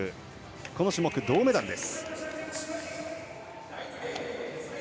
この種目銅メダルです。